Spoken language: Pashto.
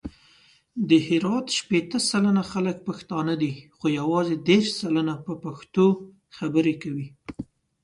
د هرات شپېته سلنه خلګ پښتانه دي، خو یوازې دېرش سلنه په پښتو خبري کوي.